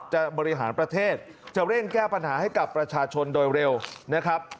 บริหารประเทศจะเร่งแก้ปัญหาให้กับประชาชนโดยเร็วนะครับ